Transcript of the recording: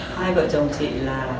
hai vợ chồng chị là